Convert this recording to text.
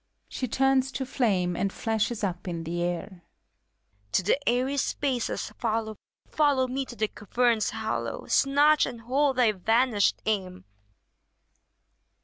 (She turns to flame and flashes up in the air.) To the airy spaces follow. Follow me to caverns hollow. Snatch and hold thy vanished aim!